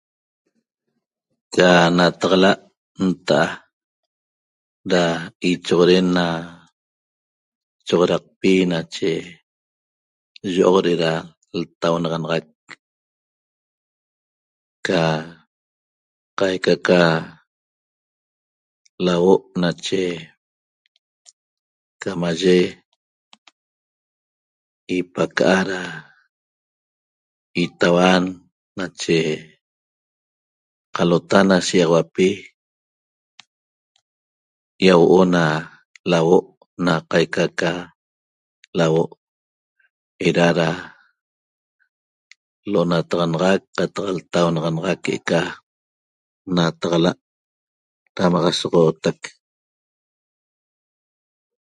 Ca nataxala' nta'a ra ichoxoren na choxoraqpi nache yo'oq re'era ltaunaxanaxac ca qaica ca lauo' nache ca maye ipaca'a ra itauan nache qalota na shigaxauapi iahuo'o na lauo' na qaica ca lauo' era ra lo’onataxanaxac qataq ltaunaxanaxac que'eca nataxala' ramaxasoxonaxac